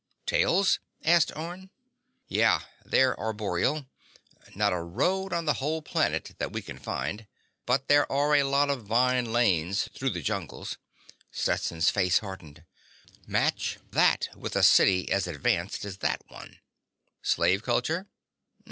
"Tails?" asked Orne. "Yeah. They're arboreal. Not a road on the whole planet that we can find. But there are lots of vine lanes through the jungles." Stetson's face hardened. "Match that with a city as advanced as that one." "Slave culture?"